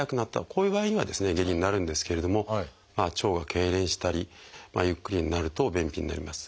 こういう場合には下痢になるんですけれども腸がけいれんしたりゆっくりになると便秘になります。